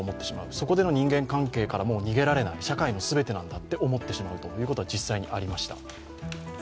そこでの人間関係から逃げられない社会の全てなんだと思ってしまうことは実際にありました。